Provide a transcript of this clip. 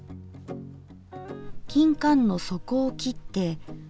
きんかんの底を切って。